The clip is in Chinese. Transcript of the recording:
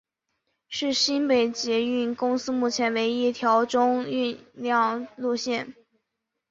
是新北捷运公司目前唯一一条中运量路线。